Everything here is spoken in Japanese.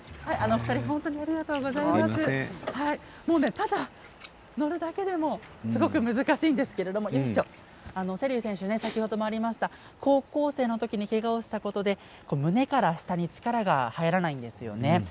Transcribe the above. ただ、乗るだけでもすごく難しいんですけれども瀬立選手、先ほどもありました高校生のときにけがをしたことで、胸から下に力が入らないんですよね。